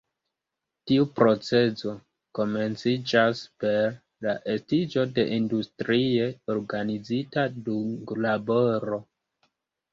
Tiu procezo komenciĝas per la estiĝo de industrie organizita dunglaboro.